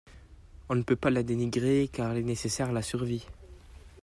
On ne peut pas la dénigrer, car elle est nécessaire à la survie.